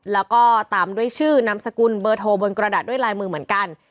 แล้วก็ตามด้วยชื่อนามสกุลเบอร์โทรบนกระดาษด้วยลายมือเหมือนกัน